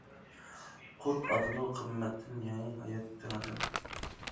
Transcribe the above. قۇت ئاتىدۇ قىممەتتىن يېڭى ھايات تېڭىدىن.